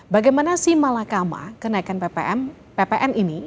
bagaimana si malakama kenaikan ppn ini